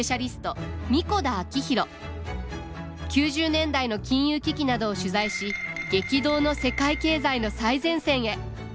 ９０年代の金融危機などを取材し激動の世界経済の最前線へ！